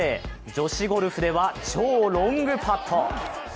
女子ゴルフでは超ロングパット。